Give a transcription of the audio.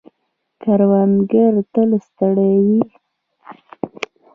کروندگر تل ستړي وي.